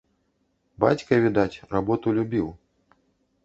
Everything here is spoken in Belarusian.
Бацька, відаць, работу любіў.